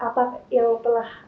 apa yang telah